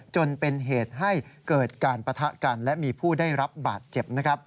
จนเป็นเหตุให้เกิดการปะทะกันและมีผู้ได้รับบาดเจ็บ